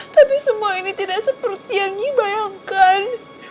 tapi semua ini tidak seperti yang nyai bayangkan